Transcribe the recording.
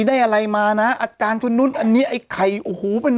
ได้อะไรมาน่ะอัตจานคุณนุนอันนี้ไอ้ไข่โอ้หูเป็น